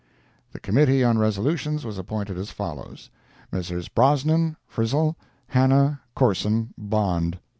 The Committee on Resolutions was appointed as follows: Messrs. Brosnan, Frizell, Hannah, Corson, Bond.